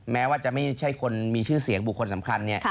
แม้ว่าจะไม่ใช่คนมีชื่อเสียงบุคคลสำคัญเนี่ย